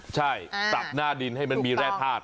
ใช่ตัดหน้าดินให้มันมีแร่ภาพ